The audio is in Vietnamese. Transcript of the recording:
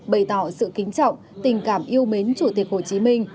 bày tỏ sự kính trọng tình cảm yêu mến chủ tịch hồ chí minh